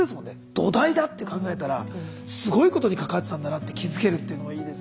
土台だって考えたらすごいことに関わってたんだなって気づけるっていうのがいいですけど。